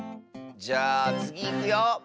じゃあつぎいくよ。